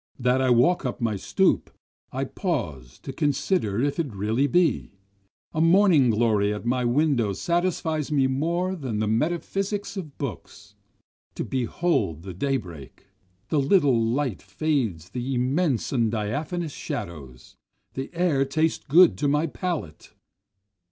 That I walk up my stoop, I pause to consider if it really be, A morning glory at my window satisfies me more than the metaphysics of books. To behold the day break! The little light fades the immense and diaphanous shadows, The air tastes good to my palate.